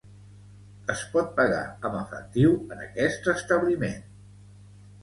Es pot pagar amb efectiu en aquest establiment.